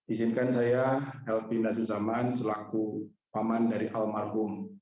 izinkan saya l p nandu zaman selaku paman dari almarhum